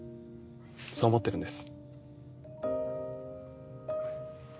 そう思ってるんです。